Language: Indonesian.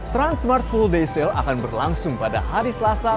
transmart full day sale akan berlangsung pada hari selasa